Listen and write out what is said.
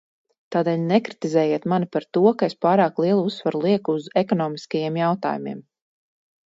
Tādēļ nekritizējiet mani par to, ka es pārāk lielu uzsvaru lieku uz ekonomiskajiem jautājumiem!